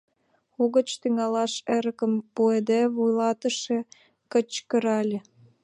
Угыч тӱҥалаш эрыкым пуыде, вуйлатыше кычкырале: